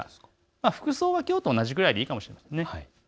服装はきょうと同じくらいでいいかもしれません。